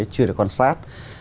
chưa được quan sát